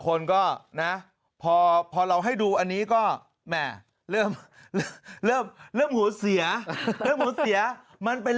คนก็นะพอเราให้ดูอันนี้ก็แหม่เริ่มเริ่มหูเสียเริ่มหูเสียมันเป็น